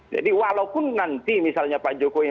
jadi walaupun nanti misalnya pak jokowi